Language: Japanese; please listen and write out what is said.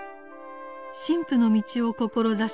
神父の道を志し